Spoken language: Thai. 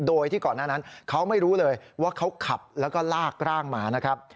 โดยที่ก่อนหน้านั้นเขาไม่รู้เลยว่าเขาขับแล้วก็ลากร่างมานะครับ